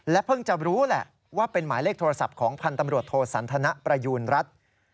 เพิ่งจะรู้แหละว่าเป็นหมายเลขโทรศัพท์ของพันธ์ตำรวจโทสันทนประยูณรัฐ